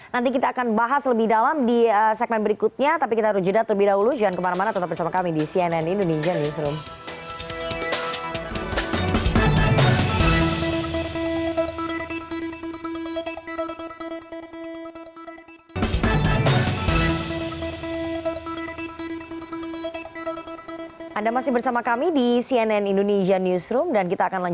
nanti kita akan bahas lebih dalam di segmen berikutnya